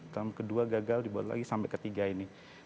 term kedua gagal dibuat lagi sampai ketiga ini